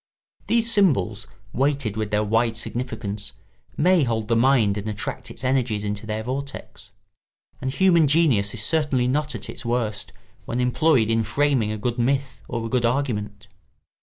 These symbols, weighted with their wide significance, may hold the mind and attract its energies into their vortex; and human genius is certainly not at its worst when employed in framing a good myth or a good argument.